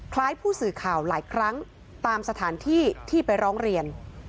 ผู้สื่อข่าวหลายครั้งตามสถานที่ที่ไปร้องเรียน